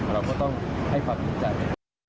เราก็ต้องให้ความพิจารณ์